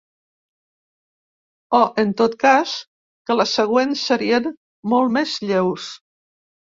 O, en tot cas, que les següents serien molt més lleus.